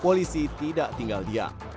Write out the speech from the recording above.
polisi tidak tinggal diam